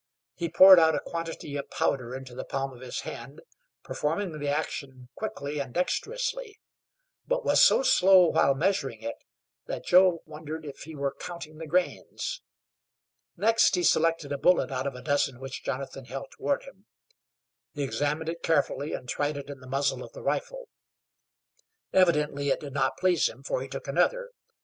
He poured out a quantity of powder into the palm of his hand, performing the action quickly and dexterously, but was so slow while measuring it that Joe wondered if he were counting the grains. Next he selected a bullet out of a dozen which Jonathan held toward him. He examined it carefully and tried it in the muzzle of the rifle. Evidently it did not please him, for he took another.